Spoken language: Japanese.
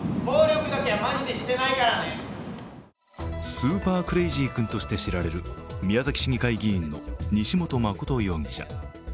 スーパークレイジー君として知られる宮崎市議会議員の西本誠容疑者。